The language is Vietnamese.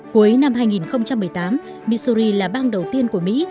cuối năm hai nghìn một mươi tám misuri là bang đầu tiên của mỹ